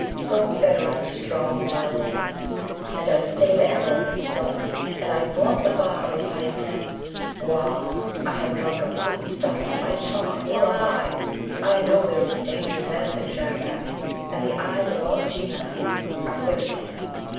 So fetter I the strong with my allurements! and I stay the arrow in its flight! and I blunt the barb of high intents! Wah! I have drunk a potent stuff; I talk! Wullahy! I know there is a danger menacing Shagpat, and the eyes of all Genii are fixed on him.